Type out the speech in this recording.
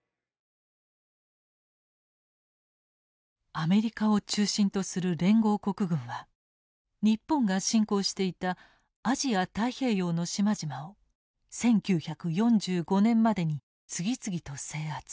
アメリカを中心とする連合国軍は日本が侵攻していたアジア太平洋の島々を１９４５年までに次々と制圧。